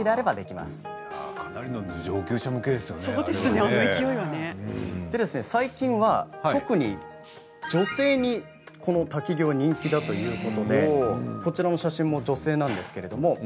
かなりの最近は特に女性にこの滝行、人気だということでこちらの写真も女性です。